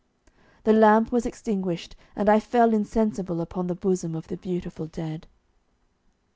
The lamp was extinguished, and I fell insensible upon the bosom of the beautiful dead.